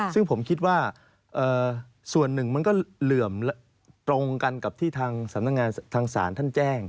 ซึ่งผมคิดว่าส่วนหนึ่งมันก็เหลื่อมตรงกันกับที่ทางสำนักงานทางศาลท่านแจ้ง